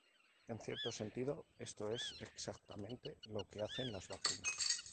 En cierto sentido, esto es exactamente lo que hacen las vacunas.